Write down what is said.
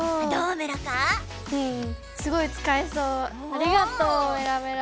ありがとうメラメラ。